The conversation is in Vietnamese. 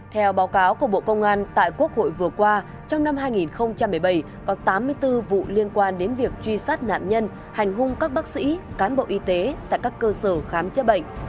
theo báo cáo của bộ công an tại quốc hội vừa qua trong năm hai nghìn một mươi bảy có tám mươi bốn vụ liên quan đến việc truy sát nạn nhân hành hung các bác sĩ cán bộ y tế tại các cơ sở khám chữa bệnh